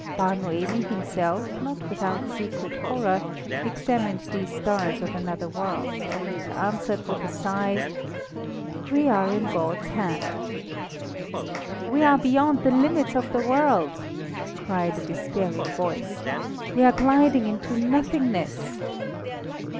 Bar Noemi himself, not without secret horror, examined these stars of another world, and answered with a sigh "We are in God's hand!" "We are beyond the limits of the world!" cried a despairing voice; "we are gliding into Nothingness!"